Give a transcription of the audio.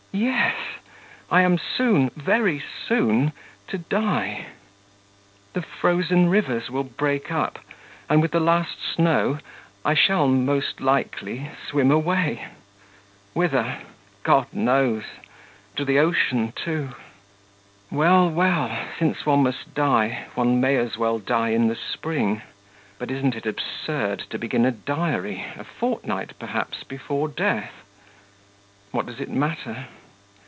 Yes, I am soon, very soon, to die. The frozen rivers will break up, and with the last snow I shall, most likely, swim away ... whither? God knows! To the ocean too. Well, well, since one must die, one may as well die in the spring. But isn't it absurd to begin a diary a fortnight, perhaps, before death? What does it matter?